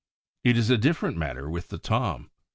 It is a different matter with the Tom.